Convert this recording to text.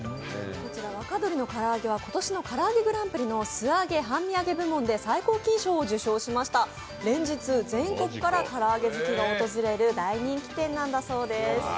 こちら若鳥のから揚げは今年のからあげグランプリで最高金賞を受賞しました連日、全国からから揚げ好きが訪れる大人気店なんだそうです。